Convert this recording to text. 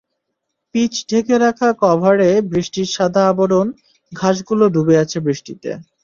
Pitch ঢেকে রাখা কভারে বৃষ্টির সাদা আবরণ, ঘাসগুলো ডুবে আছে বৃষ্টিতে।